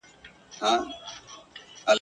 پکښي بندي یې سوې پښې او وزرونه ..